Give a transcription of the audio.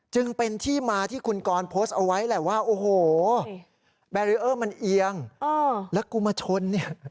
จึงเป็นที่มาที่คุณกรโพสต์เอาไว้แหละว่าโอ้โหแบรีเออร์มันเอียงแล้วกูมาชนเนี่ย